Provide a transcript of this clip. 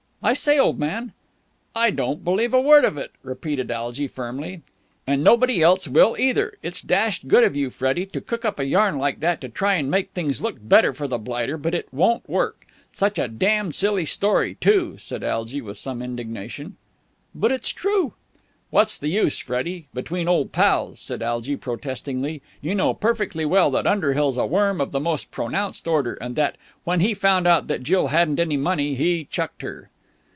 "I say, old man!" "I don't believe a word of it," repeated Algy firmly. "And nobody else will either. It's dashed good of you, Freddie, to cook up a yarn like that to try and make things look better for the blighter, but it won't work. Such a damn silly story, too!" said Algy with some indignation. "But it's true!" "What's the use, Freddie, between old pals?" said Algy protestingly. "You know perfectly well that Underhill's a worm of the most pronounced order, and that, when he found out that Jill hadn't any money, he chucked her."